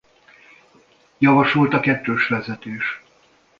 Javasolt a kettős vezetés.